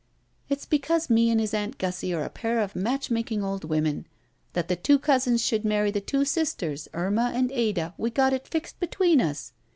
It's because me and his aunt Gussie are a pair of matchmaking old women. That the two cousins should marry the two sisters, Irma and Ada, we got it fixed between us!